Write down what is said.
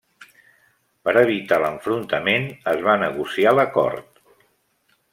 Per evitar l'enfrontament es va negociar l'acord.